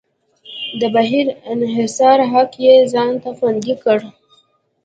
د بهر انحصار حق یې ځان ته خوندي کړ.